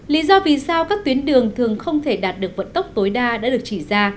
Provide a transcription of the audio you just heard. lý do vì sao các tuyến đường thường không thể đạt được vận tốc tối đa đã được chỉ ra